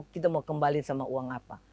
kita mau kembali sama uang apa